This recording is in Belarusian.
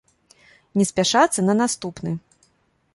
Не спяшацца на наступны.